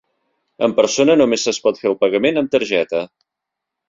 En persona només es pot fer el pagament amb targeta.